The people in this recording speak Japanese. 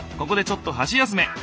ここでちょっと箸休め。